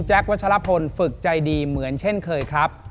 วัชลพลฝึกใจดีเหมือนเช่นเคยครับ